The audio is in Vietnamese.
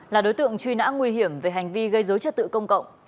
là đối tượng truy nã nguy hiểm về hành vi gây dối trật tự công cộng